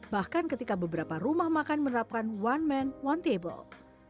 bahkan ketika beberapa rumah makan menerapkan one man one table